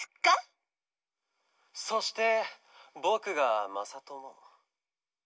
そしてぼくがまさとも。